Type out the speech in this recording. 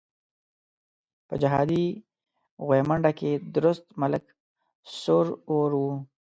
په جهادي غويمنډه کې درست ملک سور اور وو.